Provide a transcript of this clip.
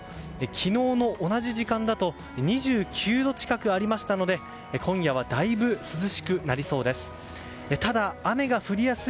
昨日の同じ時間だと２９度近くありましたので今夜はだいぶ涼しくなりそうです。